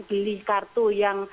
beli kartu yang